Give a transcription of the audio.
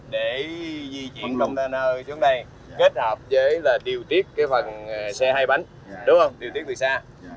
để di chuyển container xuống đây kết hợp với điều tiết cái phần xe hay bánh điều tiết từ xa